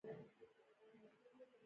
د جين چنګ جيانګ سیمې روغتون ته ورغلو.